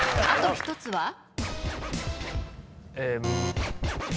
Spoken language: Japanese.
あと１つは？